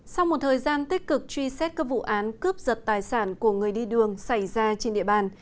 sau một thời gian tích cực truy xét các vụ án cướp giật tài sản của người đi đường xảy ra trên địa bàn